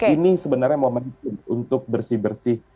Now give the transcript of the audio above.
ini sebenarnya momentum untuk bersih bersih